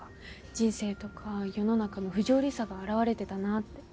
人生とか世の中の不条理さが表れてたなって。